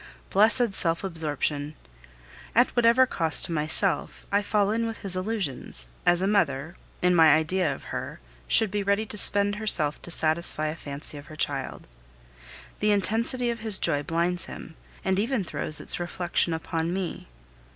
Blessed self absorption! At whatever cost to myself, I fall in with his illusions, as a mother, in my idea of her, should be ready to spend herself to satisfy a fancy of her child. The intensity of his joy blinds him, and even throws its reflection upon me.